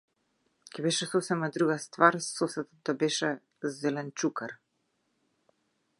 Ќе беше сосема друга ствар соседот да беше - зеленчукар.